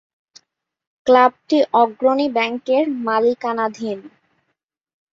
ক্লাবটি অগ্রণী ব্যাংকের মালিকানাধীন।